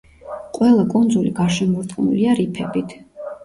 ყველა კუნძული გარშემორტყმულია რიფებით.